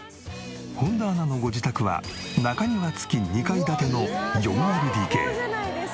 本田アナのご自宅は中庭付き２階建ての４ＬＤＫ。